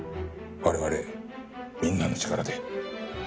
我々みんなの力で。